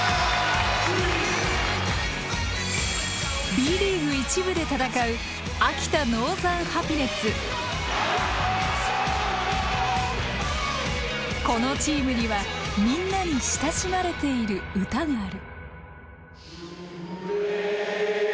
Ｂリーグ１部で戦うこのチームにはみんなに親しまれている歌がある。